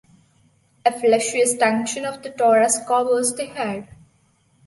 A fleshy extension of the thorax covers the head.